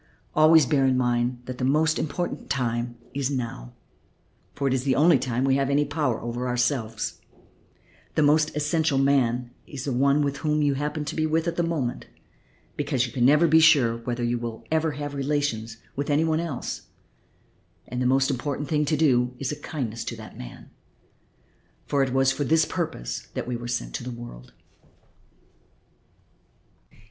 Always bear in mind that the most important time is now, for it is the only time we have any power over ourselves; the most essential man is the one with whom you happen to be at the moment, because you can never be sure whether you will ever have relations with any one else, and the most essential thing to do is a kindness to that man, for it was for this purpose we were sent into the world."